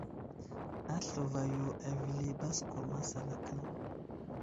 Aslva yo avəli baskur masalaka.